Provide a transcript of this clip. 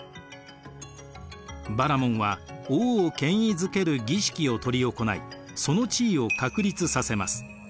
バラモンは王を権威づける儀式を執り行いその地位を確立させます。